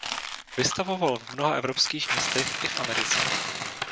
Vystavoval v mnoha evropských městech i v Americe.